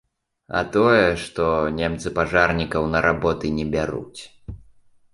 А тое, што немцы пажарнікаў на работы не бяруць.